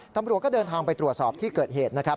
ตำรวจก็เดินทางไปตรวจสอบที่เกิดเหตุนะครับ